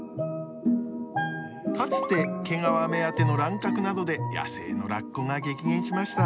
かつて毛皮目当ての乱獲などで野生のラッコが激減しました。